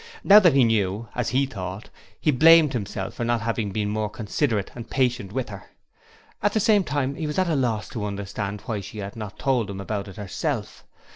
Now that he knew as he thought he blamed himself for not having been more considerate and patient with her. At the same time he was at a loss to understand why she had not told him about it herself.